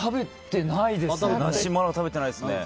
いや、まだ食べてないですね。